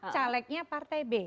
calegnya partai b